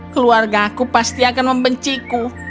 keluarga aku pasti akan membenciku